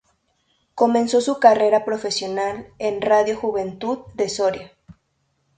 Comenzó su carrera profesional en Radio Juventud de Soria.